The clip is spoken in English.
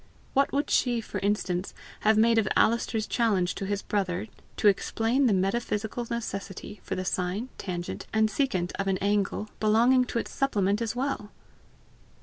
What would she, for instance, have made of Alister's challenge to his brother to explain the metaphysical necessity for the sine, tangent, and secant of an angle belonging to its supplement as well?